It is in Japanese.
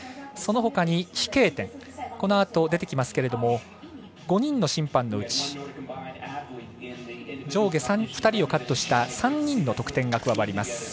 そのほかに飛型点このあと出てきますけれども５人の審判のうち上下２人をカットした３人の点数が加わります。